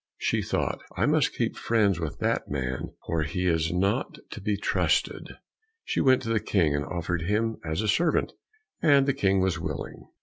She thought, "I must keep friends with that man, for he is not to be trusted." She went to the King, and offered him as a servant, and the King was willing.